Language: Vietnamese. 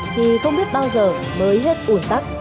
thì không biết bao giờ mới hết ủi tắc